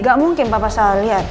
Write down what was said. gak mungkin papa salah liat